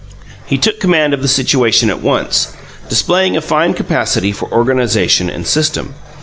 He took command of the situation at once, displaying a fine capacity for organization and system.